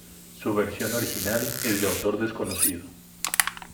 Su versión original es de autor desconocido.